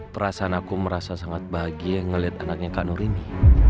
perasaan aku merasa sangat bahagia melihat anaknya kak nur ini